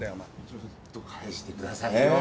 ちょっと返してくださいよ。